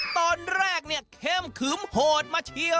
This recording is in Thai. ตอนแรกเข้มขึมโหดมาเชียว